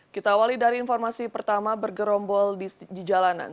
kita awali dari informasi pertama bergerombol di jalanan